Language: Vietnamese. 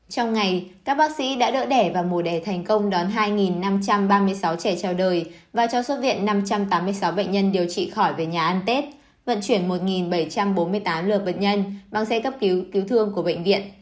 trong ngày các bác sĩ đã đỡ đẻ và mùa đẻ thành công đón hai năm trăm ba mươi sáu trẻ trao đời và cho xuất viện năm trăm tám mươi sáu bệnh nhân điều trị khỏi về nhà ăn tết vận chuyển một bảy trăm bốn mươi tám lượt bệnh nhân bằng xe cấp cứu cứu thương của bệnh viện